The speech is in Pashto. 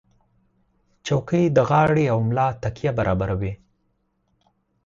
چوکۍ د غاړې او ملا تکیه برابروي.